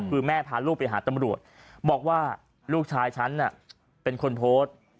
คือแม่พาลูกไปหาตำรวจบอกว่าลูกชายฉันเป็นคนโพสต์